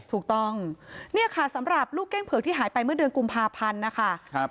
ถูกต้องเนี่ยค่ะสำหรับลูกเก้งเผือกที่หายไปเมื่อเดือนกุมภาพันธ์นะคะ